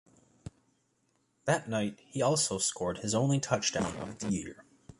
That night he also scored his only touchdown of the year.